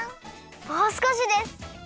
もうすこしです！